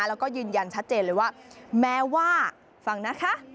แล้วก็ยืนยันชัดเจนเลยว่าแม้ว่าฟังนะคะ